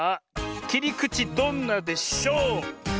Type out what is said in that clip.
きりくちどんなでしょ。